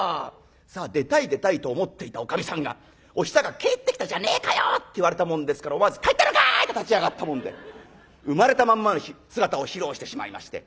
さあ出たい出たいと思っていたおかみさんが「お久が帰ってきたじゃねえかよ」って言われたもんですから思わず「帰ったのかい！」と立ち上がったもんで生まれたまんまの姿を披露してしまいまして。